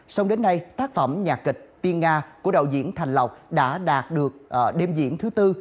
xong đến nay tác phẩm nhạc kịch tiên nga của đạo diễn thành lộc đã đạt được đêm diễn thứ tư